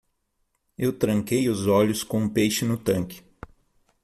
Eu tranquei os olhos com um peixe no tanque.